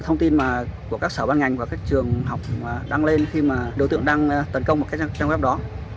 khi mà các sở văn ngành và các trường học đăng lên khi mà đối tượng đang tấn công vào các trang web đó